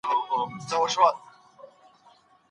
د نکاح اعلان کول ولي شرعي حکم دی؟